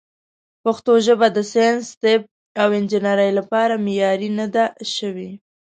پښتو ژبه د ساینس، طب، او انجنیرۍ لپاره معیاري نه ده شوې.